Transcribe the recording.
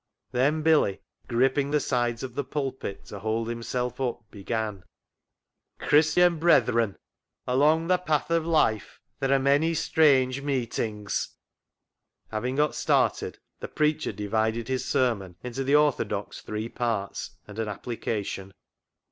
Then Billy, gripping the sides of the pulpit to hold himself up, began —" Christian brethren, along the path of life there are many strange meetings. ..." Having got started, the preacher divided his sermon into the orthodox three parts and an application.